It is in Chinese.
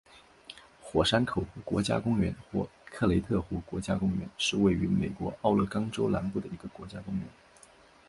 火山口湖国家公园或克雷特湖国家公园是位于美国奥勒冈州南部的一个国家公园。